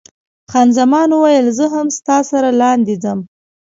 خان زمان وویل، زه هم ستا سره لاندې ځم.